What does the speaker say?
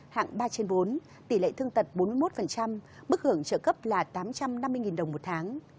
hạng ba trên bốn tỷ lệ thương tật bốn mươi một mức hưởng trợ cấp là tám trăm năm mươi đồng một tháng